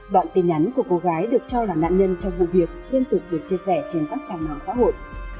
đoạn tin nhắn của cô gái được cho là nạn nhân trong vụ việc liên tục được chia sẻ trên các trang mạng xã hội